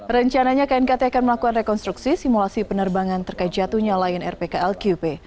rencananya knkt akan melakukan rekonstruksi simulasi penerbangan terkait jatuhnya lion air pklqp